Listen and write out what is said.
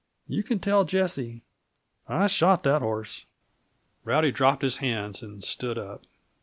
You can tell Jessie. I shot that horse." Rowdy dropped his hands and stood up.